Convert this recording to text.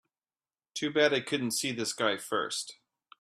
Too bad I couldn't see this guy first.